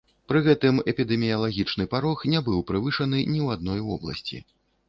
Пры гэтым, эпідэміялагічны парог не быў перавышаны ні ў адной вобласці.